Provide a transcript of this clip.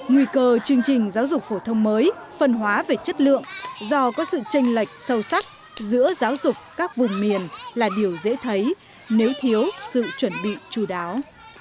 nguy cơ chương trình giáo dục phổ thông mới phân hóa về chất lượng do có sự tranh lệch sâu sắc giữa giáo dục các vùng miền là điều dễ thấy nếu thiếu sự chuẩn bị chú đáo